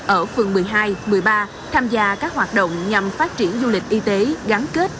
ở phường một mươi hai một mươi ba tham gia các hoạt động nhằm phát triển du lịch y tế gắn kết